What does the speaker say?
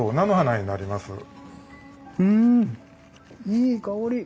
いい香り。